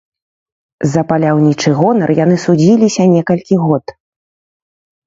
За паляўнічы гонар яны судзіліся некалькі год.